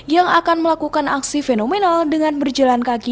yang akan melakukan aksi fenomenal dengan berjalan kaki